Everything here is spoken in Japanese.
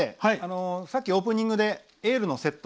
さっき、オープニングで「エール」のセット。